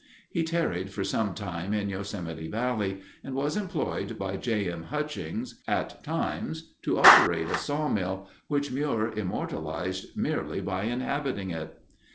He tarried for some time in Yosemite Valley and was employed by J. M. Hutchings, at times, to operate a sawmill, which Muir immortalized merely by inhabiting it.